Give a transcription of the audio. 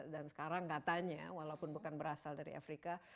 dan sekarang katanya walaupun bukan berasal dari afrika